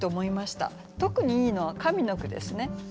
特にいいのは上の句ですね。